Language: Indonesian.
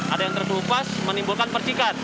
ada yang terkelupas menimbulkan percikan